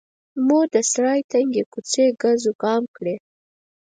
مو د سرای تنګې کوڅې ګزوګام کړې.